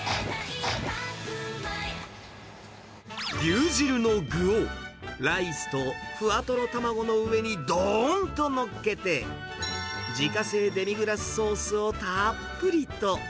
牛汁の具を、ライスとふわとろ卵の上にどーんとのっけて、自家製デミグラスソースをたっぷりと。